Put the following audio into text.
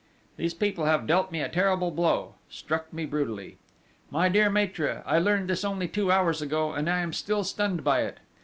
_ These people have dealt me a terrible blow, struck me brutally.... _My dear maître, I learned this only two hours ago, and I am still stunned by it.